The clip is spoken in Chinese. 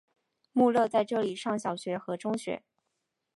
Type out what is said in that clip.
穆勒在这里上小学和中学。